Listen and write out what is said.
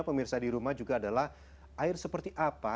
pemirsa di rumah juga adalah air seperti apa